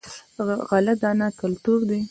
غله دانه کلتور دی.